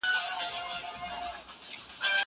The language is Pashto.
زه مخکي سړو ته خواړه ورکړي وو!!